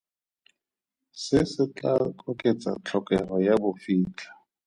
Se se tla oketsa tlhokego ya bofitlha.